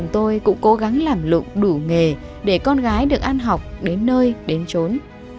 tôi cũng cố gắng làm lụng đủ nghề để con gái được ăn học đến nơi đến trốn